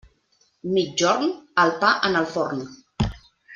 Migjorn? El pa en el forn.